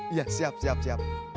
iya siap siap siap